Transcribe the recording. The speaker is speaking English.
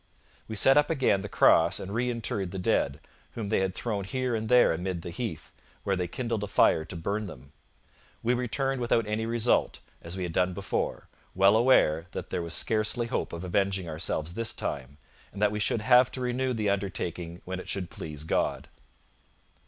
We set up again the cross and reinterred the dead, whom they had thrown here and there amid the heath, where they kindled a fire to burn them. We returned without any result, as we had done before, well aware that there was scarcely hope of avenging ourselves this time, and that we should have to renew the undertaking when it should please God.